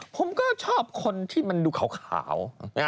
ผมก็ชอบคนที่มันดูขาว